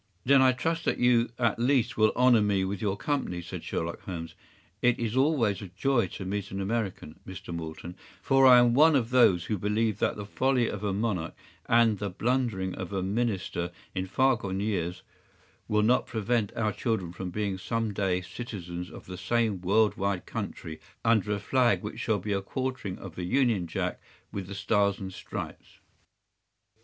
“Then I trust that you at least will honor me with your company,” said Sherlock Holmes. “It is always a joy to meet an American, Mr. Moulton, for I am one of those who believe that the folly of a monarch and the blundering of a minister in far gone years will not prevent our children from being some day citizens of the same world wide country under a flag which shall be a quartering of the Union Jack with the Stars and Stripes.